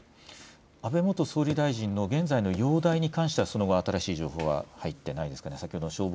安倍元総理大臣の現在の容体に関してはその後、新しい情報は入っていないですか。